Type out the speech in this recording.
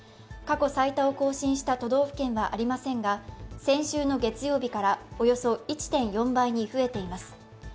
過去最多を更新した都道府県はありませんが、先週の月曜日からおよそ１．４倍に増えています。